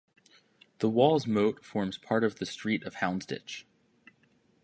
The wall's moat forms the street of Houndsditch.